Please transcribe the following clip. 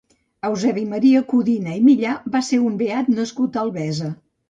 Eusebi Maria Codina i Millà va ser un beat nascut a Albesa.